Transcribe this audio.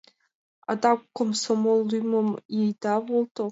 Адак комсомол лӱмым ида волто...